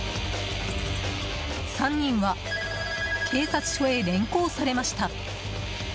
３人は、警察署へ連行されました。